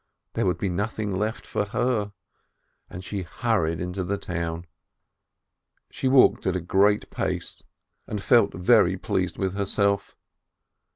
There would be nothing left for her, and she hurried into the town. She walked at a great pace, and felt very pleased with herself.